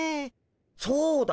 そうだ。